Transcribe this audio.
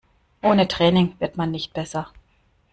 Ohne Training wird man nicht besser.